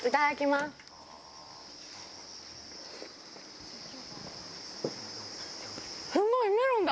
すごい、メロンだ！